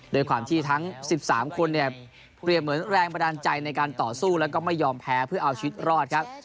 ด้วยความที่ทั้ง๑๓คนเนี่ยเปรียบเหมือนแรงบันดาลใจในการต่อสู้แล้วก็ไม่ยอมแพ้เพื่อเอาชีวิตรอดครับ